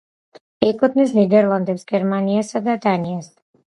ეკუთვნის ნიდერლანდებს, გერმანიასა და დანიას.